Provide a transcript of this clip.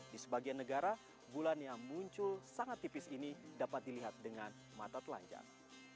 di sebagian negara bulan yang muncul sangat tipis ini dapat dilihat dengan mata telanjang